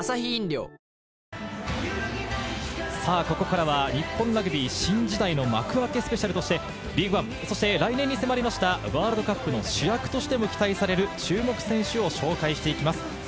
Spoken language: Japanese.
ここからは日本ラグビー新時代の幕開けスペシャルとしてリーグワン、そして来年に迫りましたワールドカップの主役としても期待される注目選手を紹介していきます。